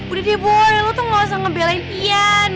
oh boy lo tuh gak usah ngebelain ian